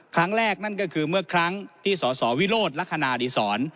ครั้งแรกนั่นก็คือเมื่อครั้งที่สสวิโรธลักษณาดิสร